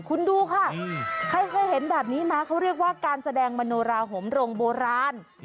คุณดูค่ะใครเคยเห็นแบบนี้นะเขาเรียกว่าการแสดงมโนราหมโรงโบราณ